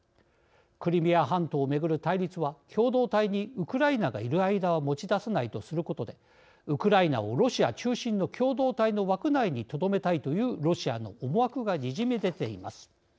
クリミア半島をめぐる対立は共同体にウクライナがいる間は持ち出さないとすることでウクライナをロシア中心の共同体の枠内にとどめたいというロシアの思惑がにじみ出ています。